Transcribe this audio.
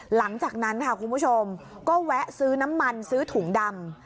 หลังจากนั้นค่ะคุณผู้ชมก็แวะซื้อน้ำมันซื้อถุงดำ